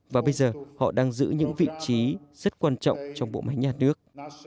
và bây giờ họ đang giữ những vị trí rất quan trọng trong bộ máy nhà nước